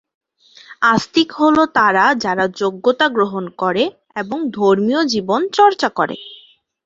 আস্তিক হল তারা যারা যোগ্যতা গ্রহণ করে এবং ধর্মীয় জীবন চর্চা করে।